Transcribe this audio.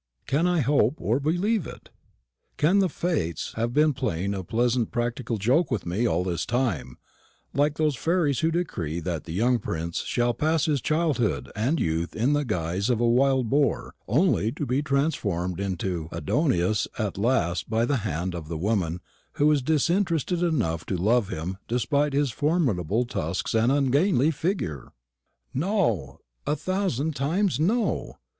Can I hope or believe it? Can the Fates have been playing a pleasant practical joke with me all this time, like those fairies who decree that the young prince shall pass his childhood and youth in the guise of a wild boar, only to be transformed into an Adonis at last by the hand of the woman who is disinterested enough to love him despite his formidable tusks and ungainly figure? No! a thousand times no!